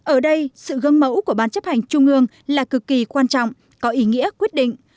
ở đây sự gương mẫu của ban chấp hành trung ương là cực kỳ quan trọng có ý nghĩa quyết định